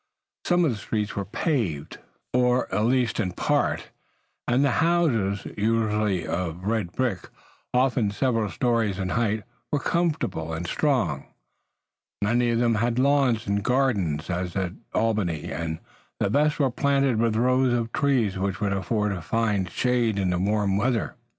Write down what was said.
Some of the streets were paved, or at least in part, and the houses, usually of red brick, often several stories in height, were comfortable and strong. Many of them had lawns and gardens as at Albany, and the best were planted with rows of trees which would afford a fine shade in warm weather.